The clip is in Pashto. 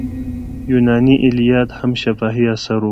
یوناني ایلیاد هم شفاهي اثر و.